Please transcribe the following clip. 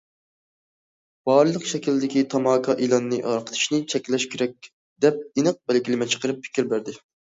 بارلىق شەكىلدىكى تاماكا ئېلانىنى تارقىتىشنى چەكلەش كېرەك دەپ ئېنىق بەلگىلىمە چىقىرىپ پىكىر بەردى.